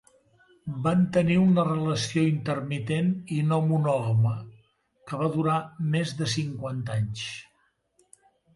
Van tenir una relació, intermitent i no monògama, que va durar més de cinquanta anys.